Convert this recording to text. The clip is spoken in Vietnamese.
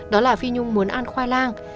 đó là phí nhung muốn ăn khoai lang